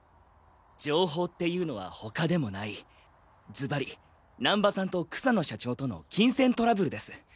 情報っていうのは他でもないずばり難波さんと草野社長との金銭トラブルです。